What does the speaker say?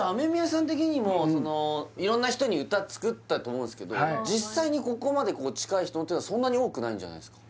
さん的にも色んな人に歌作ったと思うんですけど実際にここまで近い人はそんなに多くないんじゃないですか？